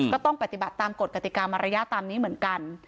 ก็ต้องปฏิบัติตามกฎกติกามารยาตามนี้เหมือนกัน